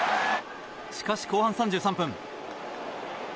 しかし、後半３３分。